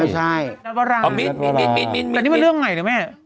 ไม่ใช่นับวรรณอ๋อมีมีมีแต่นี่มันเรื่องไหนหรือไม่